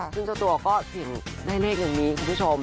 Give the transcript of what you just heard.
ซึ่งเจ้าตัวก็เสี่ยงได้เลขอย่างนี้คุณผู้ชม